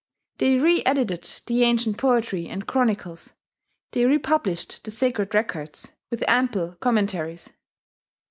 They reedited the ancient poetry and chronicles; they republished the sacred records, with ample commentaries.